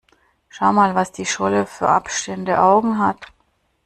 Schau mal, was die Scholle für abstehende Augen hat!